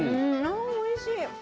あおいしい。